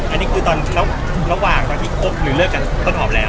อันนี้คือตอนระว่างที่คุกหรือเลือกกันพรตอบแล้ว